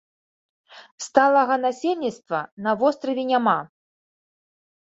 Сталага насельніцтва на востраве няма.